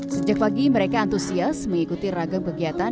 sejak pagi mereka antusias mengikuti ragam kegiatan